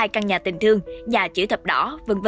hai năm trăm tám mươi hai căn nhà tình thương nhà chữ thập đỏ v v